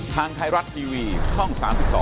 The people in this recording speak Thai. ทางไทยรัฐทีวีช่อง๓๒